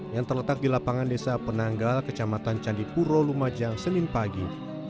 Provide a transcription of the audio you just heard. yang terletak di lapangan desa penanggal kecamatan candipuro lumajang senin pagi